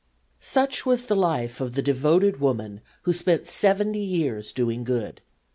"Such was the life of the devoted woman who spent 70 years doing good.